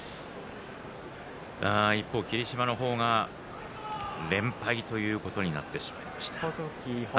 一方、霧島の方は連敗ということになってしまいました。